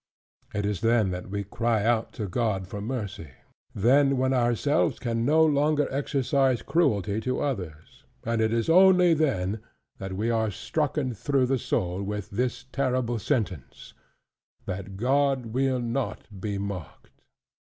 It is then that we cry out to God for mercy; then when our selves can no longer exercise cruelty to others; and it is only then, that we are strucken through the soul with this terrible sentence, "That God will not be mocked."